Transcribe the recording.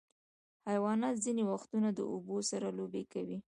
حیوانات ځینې وختونه د اوبو سره لوبې کوي.